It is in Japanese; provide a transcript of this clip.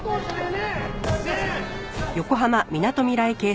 ねえ？